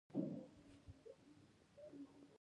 موږ د همدې غره هغې بلې غاړې ته.